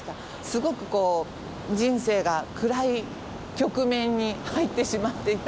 すごくこう人生が暗い局面に入ってしまっていたんですね。